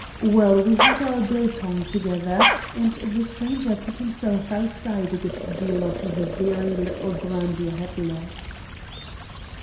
Well, we had our biltong together, and the Stranger put himself outside a good deal of the very little brandy I had left.